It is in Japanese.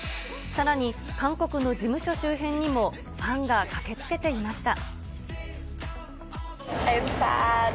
さらに、韓国の事務所周辺にもファンが駆けつけていました。